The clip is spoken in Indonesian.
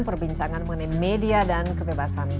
perbincangan mengenai media dan kebebasan